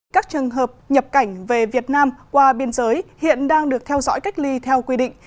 các trường hợp nhập cảnh về việt nam qua biên giới hiện đang được theo dõi cách ly theo quy định